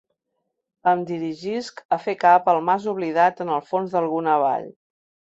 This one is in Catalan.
Em dirigisc a fer cap al mas oblidat en el fons d’alguna vall.